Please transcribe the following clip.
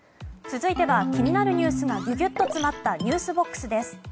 続いては気になるニュースがギュギュッと詰まったｎｅｗｓＢＯＸです。